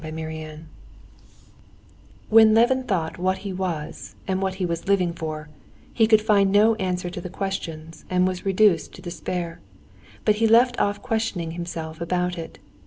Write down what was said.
Chapter 10 When Levin thought what he was and what he was living for, he could find no answer to the questions and was reduced to despair, but he left off questioning himself about it.